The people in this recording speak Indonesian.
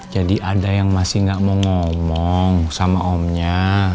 jadi ada yang masih gak mau ngomong sama omnya